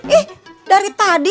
ih dari tadi